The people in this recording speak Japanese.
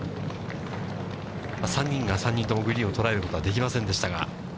３人が３人ともグリーンを捉えることはできませんでしたが。